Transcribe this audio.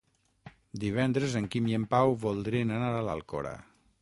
Divendres en Quim i en Pau voldrien anar a l'Alcora.